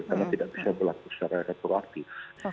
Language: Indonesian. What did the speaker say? karena tidak bisa berlaku secara retoraktif